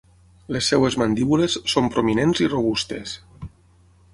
Les seves mandíbules són prominents i robustes.